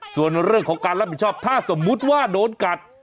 ส่วนเรื่องของการรับผิดชอบถ้าสมมุติว่าโดนกัด